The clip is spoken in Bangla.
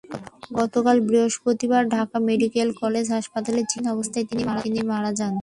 গতকাল বৃহস্পতিবার ঢাকা মেডিকেল কলেজ হাসপাতালে চিকিৎসাধীন অবস্থায় তিনি মারা যান।